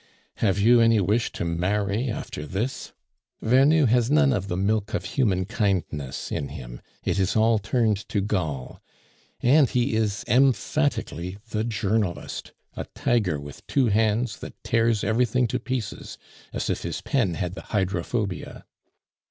Have you any wish to marry after this? Vernou has none of the milk of human kindness in him, it is all turned to gall; and he is emphatically the Journalist, a tiger with two hands that tears everything to pieces, as if his pen had the hydrophobia."